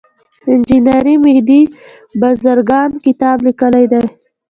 انجینیر مهدي بازرګان کتاب لیکلی دی.